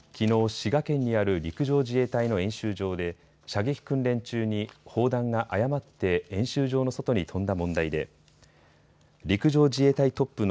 滋賀県にある陸上自衛隊の演習場で射撃訓練中に砲弾が誤って演習場の外に飛んだ問題で陸上自衛隊トップの